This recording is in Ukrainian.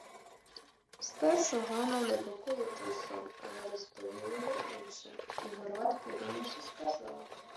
Спершу Гана непокоїв сей сон, але він розповів його іншим, і Горват, подумавши, сказав: